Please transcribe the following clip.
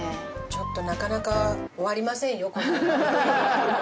ちょっとなかなか終わりませんよ。